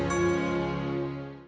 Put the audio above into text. tidak ada hati